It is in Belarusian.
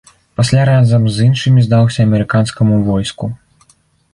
Пасля разам з іншымі здаўся амерыканскаму войску.